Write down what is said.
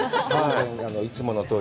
いつものとおり。